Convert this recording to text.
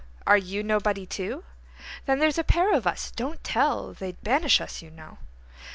Are you nobody, too? Then there 's a pair of us—don't tell! They 'd banish us, you know.